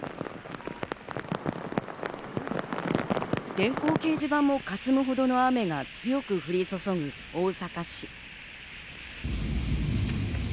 電光掲示板もかすむほどの雨が強く降り注ぐ大阪市。